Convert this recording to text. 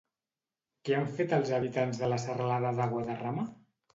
Què han fet els habitants de la Serralada de Guadarrama?